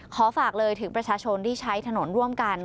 ขอฝากเลยถึงประชาชนที่ใช้ถนนร่วมกัน